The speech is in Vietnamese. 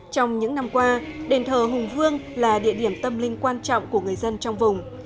trong những năm qua đền thờ hùng vương là địa điểm tâm linh quan trọng của người dân trong vùng